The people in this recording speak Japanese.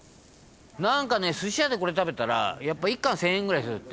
「なんかね寿司屋でこれ食べたらやっぱ一貫１０００円ぐらいするって」